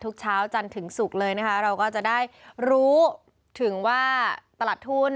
เช้าจันทร์ถึงศุกร์เลยนะคะเราก็จะได้รู้ถึงว่าตลาดทุน